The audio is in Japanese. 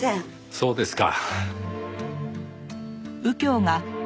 そうですか。